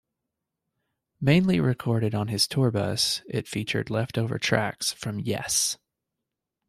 Mainly recorded on his tour bus, it featured leftover tracks from Yes!